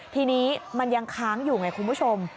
ทีนี้มันยังค้างอยู่ไงคุณผู้ชม